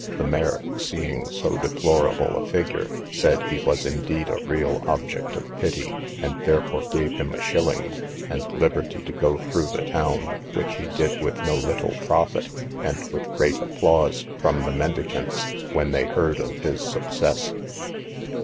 The mayor, seeing so deplorable a figure, said he was indeed a real object of pity; and therefore gave him a shilling, and liberty to go through the town; which he did with no little profit, and with great applause from the mendicants, when they heard of his success.